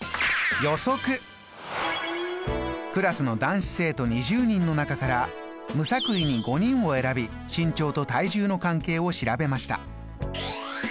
クラスの男子生徒２０人の中から無作為に５人を選び身長と体重の関係を調べました。